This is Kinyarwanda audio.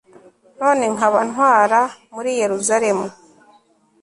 none nkaba ntwara muri yeruzalemu